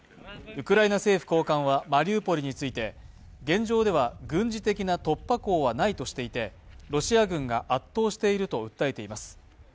ウクライナ政府高官はマリウポリについて、現状では軍事的な突破口はないとしていて、ロシア軍が圧倒していると訴えています。